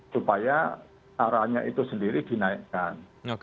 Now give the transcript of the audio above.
supaya arahnya itu sendiri dinaikkan